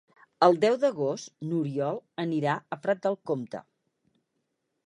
El deu d'agost n'Oriol anirà a Prat de Comte.